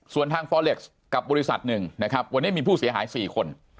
ส่วนทางฟอเล็กซ์กับบริษัทหนึ่งนะครับวันนี้มีผู้เสียหาย๔คน